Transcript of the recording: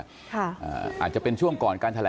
ลองฟังเสียงช่วงนี้ดูค่ะ